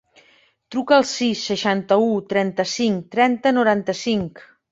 Truca al sis, seixanta-u, trenta-cinc, trenta, noranta-cinc.